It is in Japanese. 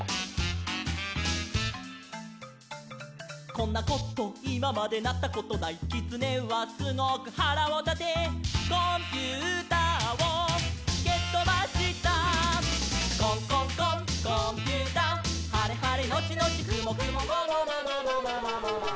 「こんなこといままでなったことない」「きつねはすごくはらをたて」「コンピューターをけとばした」「コンコンコンコンピューター」「はれはれのちのちくもくもももももももももも」